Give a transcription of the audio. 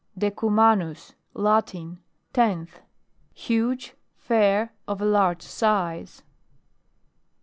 DECUMANUS. Latin. Tenth. Huge, fair, of a large size.